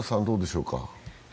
どうでしょうか。